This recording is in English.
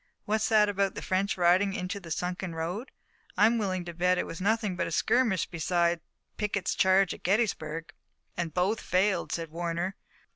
What's that about the French riding into the sunken road? I'm willin' to bet it was nothing but a skirmish beside Pickett's charge at Gettysburg." "And both failed," said Warner.